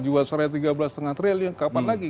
jawa serai tiga belas lima triliun kapan lagi